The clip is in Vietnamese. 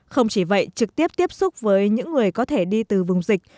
không chỉ vậy trực tiếp tiếp xúc với những người có thể đi từ vùng dịch